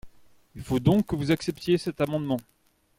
Il faut donc que vous acceptiez cet amendement